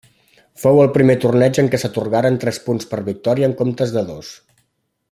Fou el primer torneig en què s'atorgaren tres punts per victòria en comptes de dos.